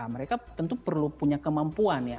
mereka tentu perlu punya kemampuan ya